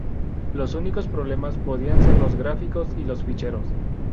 Los únicos problemas podrían ser los gráficos y los ficheros.